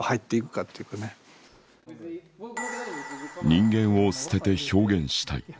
人間を捨てて表現したい。